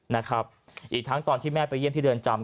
นะครับอีกทั้งตอนที่แม่ไปเยี่ยมที่เรือนจำ